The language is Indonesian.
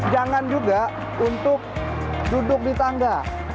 jangan juga untuk duduk di tangga